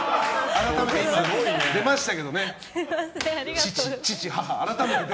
改めて出ましたけど。